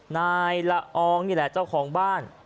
นายละอองนี่แหละเจ้าของบ้าน